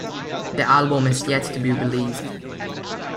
The album has yet to be released.